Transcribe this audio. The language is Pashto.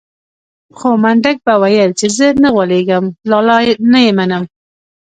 خو منډک به ويل چې زه نه غولېږم لالا نه يې منم.